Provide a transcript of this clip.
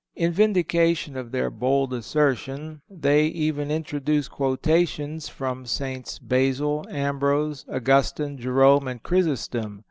In vindication of their bold assertion they even introduce quotations from SS. Basil, Ambrose, Augustine, Jerome and Chrysostom.